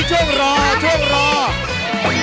ไปแล้วครับ